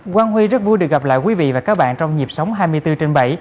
quang huy rất vui được gặp lại quý vị và các bạn trong nhịp sống hai mươi bốn trên bảy